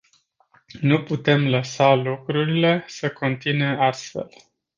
Nu putem lăsa lucrurile să continue astfel.